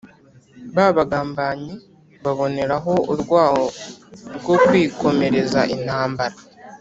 ba bagambanyi baboneraho urwaho rwo kwikomereza intambara